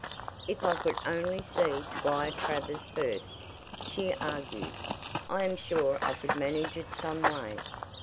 If I could only see Squire Travers first," she argued, "I am sure I could manage it some way."